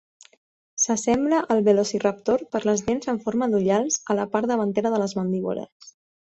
S'assembla al velociraptor per les dents en forma d'ullals a la part davantera de les mandíbules.